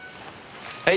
はい？